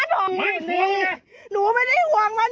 หนูไม่ได้ห่วงมัน